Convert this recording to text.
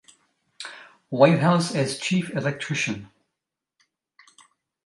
Whitehouse as chief electrician.